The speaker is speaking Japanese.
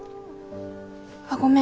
あっごめん